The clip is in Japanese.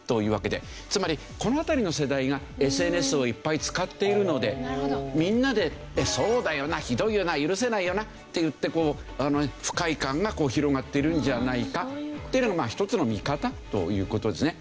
つまりこの辺りの世代がＳＮＳをいっぱい使っているのでみんなで「そうだよなひどいよな許せないよな」って言ってこう不快感が広がっているんじゃないかっていうのも一つの見方という事ですね。